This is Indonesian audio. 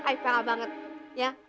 i parah banget ya